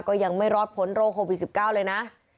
ก็ยังไม่รอดพ้นโรคโควิด๑๙เลยนะ